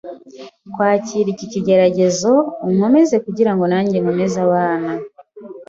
kwakira iki kigeragezo, unkomeze kugirango nanjye nkomeze abana